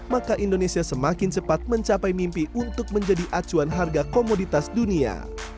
maka indonesia semakin cepat mencapai mimpi untuk menjadi acuan harga komoditas dunia